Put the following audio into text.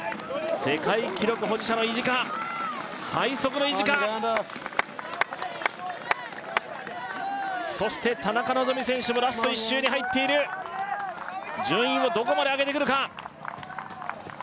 世界記録保持者の意地か最速の意地かそして田中希実選手もラスト１周に入っている順位をどこまで上げてくるか？